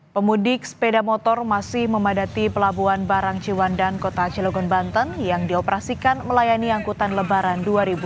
pemudik sepeda motor masih memadati pelabuhan barang ciwandan kota cilogon banten yang dioperasikan melayani angkutan lebaran dua ribu dua puluh